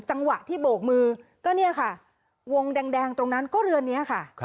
จังหวะที่โบกมือก็เนี่ยค่ะวงแดงตรงนั้นก็เรือนนี้ค่ะ